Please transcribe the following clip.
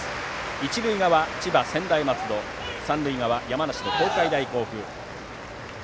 一塁側、千葉・専大松戸三塁側、山梨の東海大甲府。